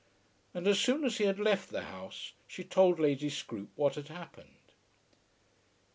And as soon as he had left the house she told Lady Scroope what had happened.